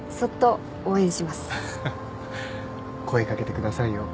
声掛けてくださいよ。